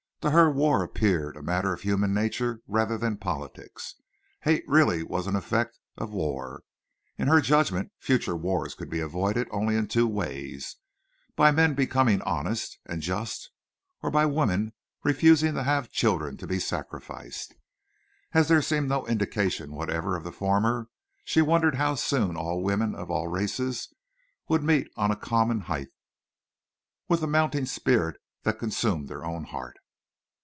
To her war appeared a matter of human nature rather than politics. Hate really was an effect of war. In her judgment future wars could be avoided only in two ways—by men becoming honest and just or by women refusing to have children to be sacrificed. As there seemed no indication whatever of the former, she wondered how soon all women of all races would meet on a common height, with the mounting spirit that consumed her own heart.